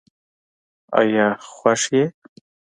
آیا خوښ یې؟